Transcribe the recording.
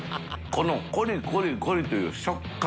このコリコリコリという食感。